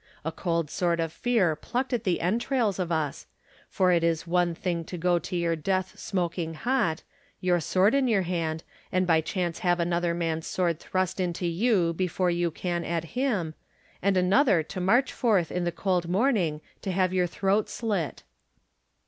A cold sort of fear plucked at the entrails of us, for it is one thing to go to your death smoking hot, your sword in your hand, and by chance have another man's sword thrust into you before you can at him, and another to march forth in the cold morning to have your throat slit.